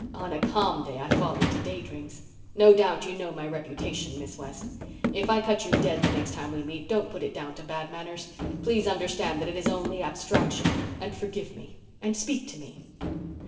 "On a calm day I fall into day dreams. No doubt you know my reputation, Miss West. If I cut you dead the next time we meet don't put it down to bad manners. Please understand that it is only abstraction and forgive me—and speak to me."